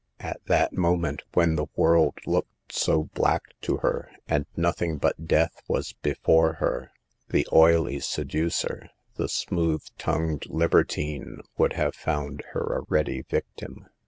At that mo ment, when the world looked so black to her, and nothing but death was before her, the oily seducer, the smooth tongued libertine, would have found her a ready victim.